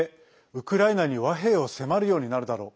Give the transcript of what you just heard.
ウクライナに和平を迫るようになるだろう。